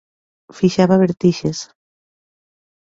Fixaba vertixes.